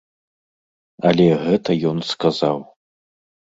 Але гэта ён сказаў.